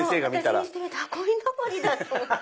私にしてみたらこいのぼりだ！と思って。